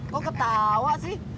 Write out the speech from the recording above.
kok ketawa sih